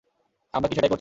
আমরা কি সেটাই করছি?